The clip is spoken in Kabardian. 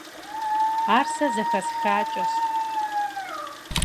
Ар сэ зэхэсхакӏэщ.